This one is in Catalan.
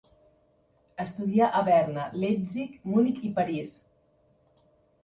Estudià a Berna, Leipzig, Munic i París.